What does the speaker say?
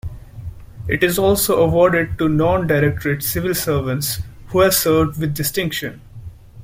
It is also awarded to non-directorate civil servants who have served with distinction.